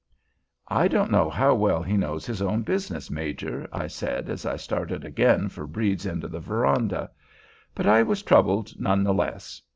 "I don't know how well he knows his own business, Major," I said as I started again for Brede's end of the veranda. But I was troubled none the less.